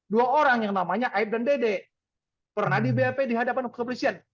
dua orang yang namanya aib dan dede pernah di bap di hadapan kepolisian